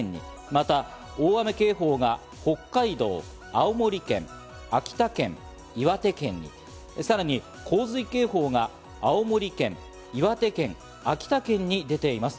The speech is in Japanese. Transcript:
また大雨警報が北海道、青森県、秋田県、岩手県に、さらに洪水警報が青森県、岩手県、秋田県に出ています。